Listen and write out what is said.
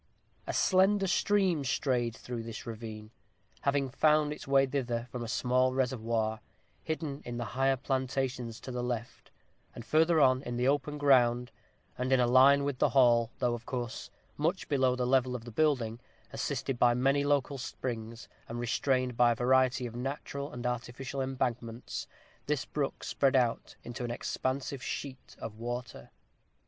A slender stream strayed through this ravine, having found its way thither from a small reservoir, hidden in the higher plantations to the left; and further on, in the open ground, and in a line with the hall, though, of course, much below the level of the building, assisted by many local springs, and restrained by a variety of natural and artificial embankments, this brook spread out into an expansive sheet of water.